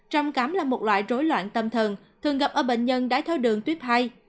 trầm cảm là một loại rối loạn tâm thần thường gặp ở bệnh nhân đái tháo đường tuyếp hay